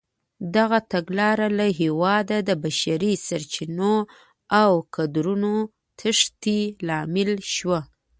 دغه تګلاره له هېواده د بشري سرچینو او کادرونو تېښتې لامل شوه.